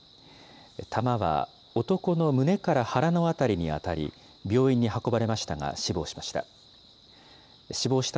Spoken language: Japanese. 弾は男の胸から腹の辺りに当たり、病院に運ばれましたが、死亡しました。